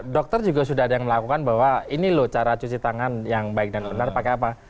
dokter juga sudah ada yang melakukan bahwa ini loh cara cuci tangan yang baik dan benar pakai apa